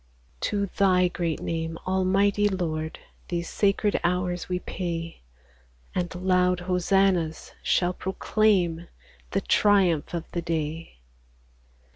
^3 To Thy great name, Almighty Lord, These sacred hours we pay ; And loud hosannas shall proclaim The triumph of the day.